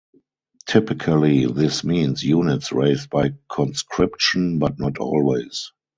Typically this means units raised by conscription, but not always.